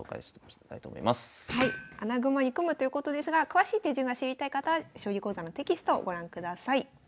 穴熊に組むということですが詳しい手順が知りたい方は将棋講座のテキストをご覧ください。